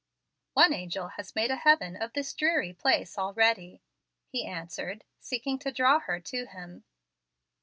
"One angel has made a heaven of this dreary place already," he answered, seeking to draw her to him.